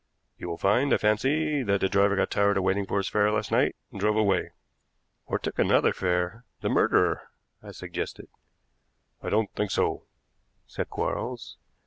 You will find, I fancy, that the driver got tired of waiting for his fare last night and drove away." "Or took another fare the murderer," I suggested. "I don't think so," said Quarles.